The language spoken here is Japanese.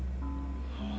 はあ？